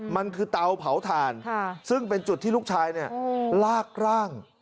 มันคือเตาเผาถ่านซึ่งเป็นจุดที่ลูกชายลากร่าง